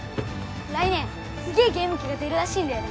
来年すげえゲーム機が出るらしいんだよね